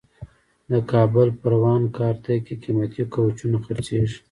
د کابل پروان کارته کې قیمتي کوچونه خرڅېږي.